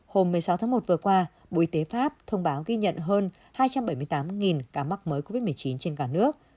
hôm một mươi sáu tháng một vừa qua bộ y tế pháp thông báo ghi nhận hơn hai trăm bảy mươi tám ca mắc mới covid một mươi chín trên cả nước